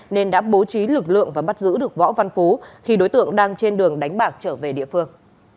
nên đã bố trí lực lượng và bắt giữ được võ văn phú khi đối tượng đang trên đường đánh bạc trở về địa phương